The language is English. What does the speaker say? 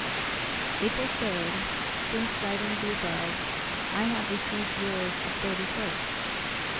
April 3d. Since writing the above, I have received yours of 31st.